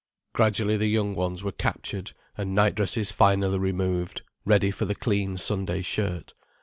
Gradually the young ones were captured, and nightdresses finally removed, ready for the clean Sunday shirt.